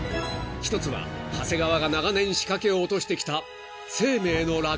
［一つは長谷川が長年仕掛けを落としてきた］